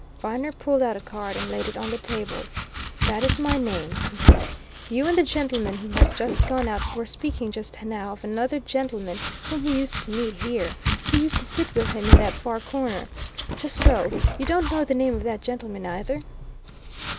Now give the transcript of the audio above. Viner pulled out a card and laid it on the table. "That is my name," he said. "You and the gentleman who has just gone out were speaking just now of another gentleman whom he used to meet here who used to sit with him in that far corner. Just so you don't know the name of that gentleman, either?"